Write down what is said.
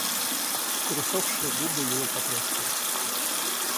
Пересохшие губы его потрескались.